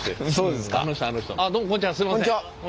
すいません。